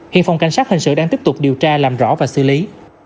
hiện phòng cảnh sát hình sự đang tiếp tục điều tra làm rõ và xử lý